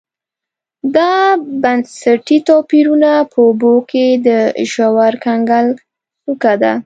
دا بنسټي توپیرونه په اوبو کې د ژور کنګل څوکه ده